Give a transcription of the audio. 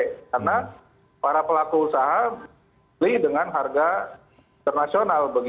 karena para pelaku usaha beli dengan harga internasional